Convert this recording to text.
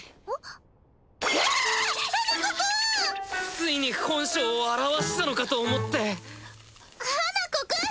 ついに本性を現したのかと思って花子くん！